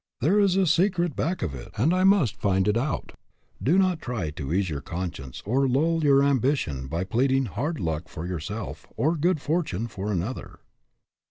There is a secret back of it, and I must find it out." Do not try to ease your con science or lull your ambition by pleading " hard luck " for yourself, or good fortune for another.